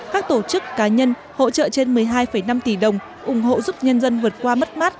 các tổ chức cá nhân hỗ trợ trên một mươi hai năm tỷ đồng ủng hộ giúp nhân dân vượt qua mất mát